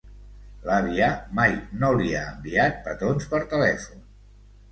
L'àvia mai no li ha enviat petons per telèfon.